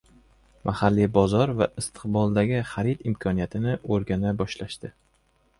Mahalliy bozor va istiqboldagi xarid imkoniyatini oʻrgana boshlashdi.